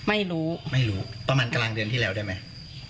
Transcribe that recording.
ไม่รู้ไม่รู้ประมาณกลางเดือนที่แล้วได้ไหม